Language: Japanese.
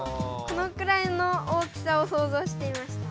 このくらいの大きさをそうぞうしていました。